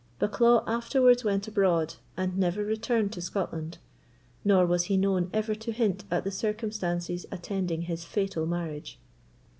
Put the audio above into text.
Bucklaw afterwards went abroad, and never returned to Scotland; nor was he known ever to hint at the circumstances attending his fatal marriage.